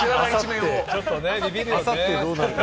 あさってどうなるか？